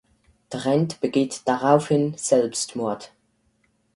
Trent begeht daraufhin Selbstmord.